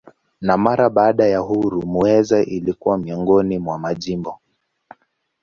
Na mara baada ya uhuru Muheza ilikuwa miongoni mwa majimbo.